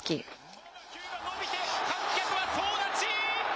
この打球が伸びて観客は総立ち！